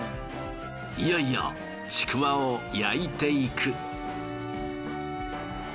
いよいよちくわを焼いていく。